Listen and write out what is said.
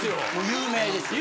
有名ですよね。